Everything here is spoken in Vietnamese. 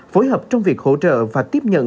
phối hợp trong việc hỗ trợ và tiếp nhận